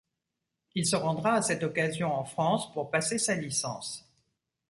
Il se rendra à cette occasion en France pour passer sa licence.